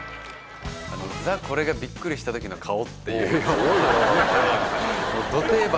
あのザ・これがビックリした時の顔っていうようなねえ